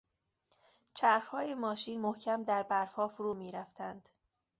چرخهای ماشین محکم در برفها فرو میرفتند.